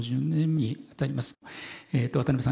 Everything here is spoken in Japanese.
渡辺さん